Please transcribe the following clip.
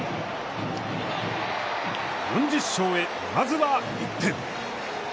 ４０勝へ、まずは１点。